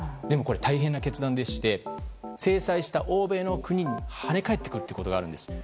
でも、これ大変な決断でして制裁した欧米の国に跳ね返ってくる恐れがあるんです。